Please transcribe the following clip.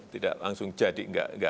tidak langsung jadi